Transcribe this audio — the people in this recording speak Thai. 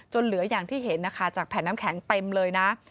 เหลืออย่างที่เห็นนะคะจากแผ่นน้ำแข็งเต็มเลยนะ